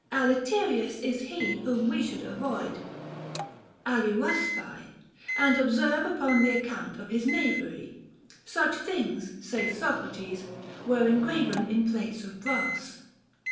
Aliterius is he whom we should avoid (άλεναοδαι) and ob serve upon the account of his knavery. Such things (saith Socrates) were engraven in plates of brass.